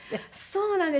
そうなんです。